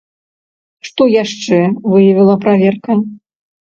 Што яшчэ выявіла праверка?